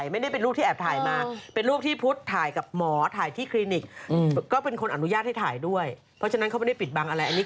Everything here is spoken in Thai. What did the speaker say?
เช้ามาในการที่แบบฉันเจอหน้าน้องพุทธตั้งแต่สมัย